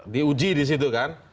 di uji disitu kan